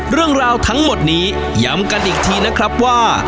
เรื่องราวทั้งหมดนี้ย้ำกันอีกทีนะครับว่า